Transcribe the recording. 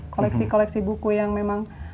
koleksi koleksi buku yang memang